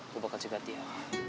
gue bakal cekat dia